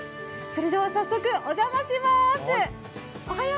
それでは早速お邪魔します。